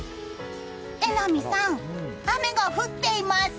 榎並さん、雨が降っています。